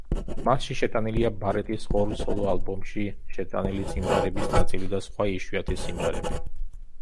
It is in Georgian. მასში შეტანილია ბარეტის ორ სოლო ალბომში შეტანილი სიმღერების ნაწილი და სხვა იშვიათი სიმღერები.